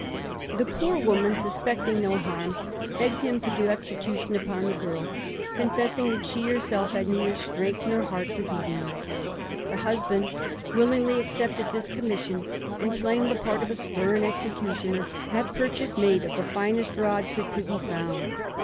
The poor woman, suspecting no harm, begged him to do execution upon the girl, confessing that she herself had neither strength nor heart for beating her. The husband willingly accepted this commission, and, playing the part of a stern executioner, had purchase made of the finest rods that could be found.